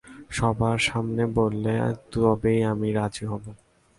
সবার সামনে বললে, তবেই আমি রাজি হবো।